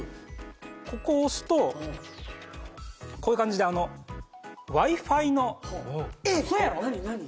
ここを押すとこういう感じでえっうそやろ？